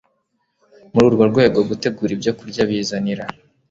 Muri urwo rwego gutegura ibyokurya bizanira